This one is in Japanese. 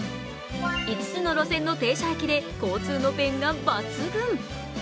５つの路線の停車駅で交通の便が抜群。